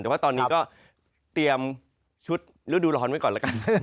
แต่ว่าตอนนี้ก็เตรียมชุดฤดูร้อนไว้ก่อนแล้วกัน